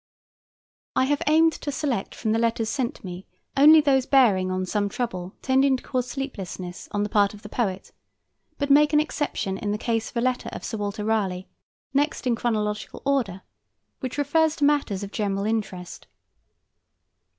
I have aimed to select from the letters sent me only those bearing on some trouble tending to cause sleeplessness on the part of the poet, but make an exception in case of a letter of Sir Walter Raleigh, next in chronological order, which refers to matters of general interest.